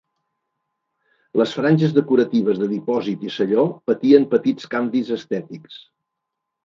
Les franges decoratives de dipòsit i selló patien petits canvis estètics.